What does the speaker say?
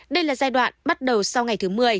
đây là giai đoạn bắt đầu sau ngày thứ một mươi